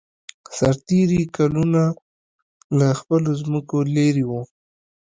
سرتېري کلونه له خپلو ځمکو لېرې وو